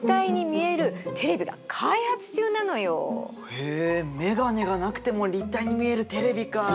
へえ眼鏡がなくても立体に見えるテレビか。